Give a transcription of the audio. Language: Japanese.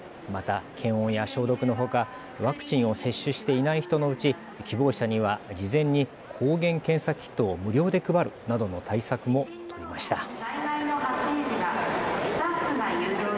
また検温や消毒のほかワクチンを接種していない人のうち希望者には事前に抗原検査キットを無料で配るなどの対策も取りました。